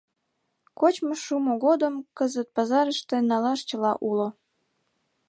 Кочмо шумо годым кызыт пазарыште налаш чыла уло.